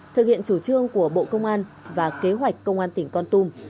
thực hiện chủ trương của bộ công an và kế hoạch công an tỉnh con tum